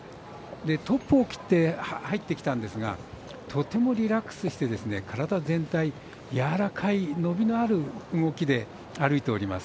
トップを切って入ってきたんですがとてもリラックスして体全体やわらかい伸びのある動きで歩いております。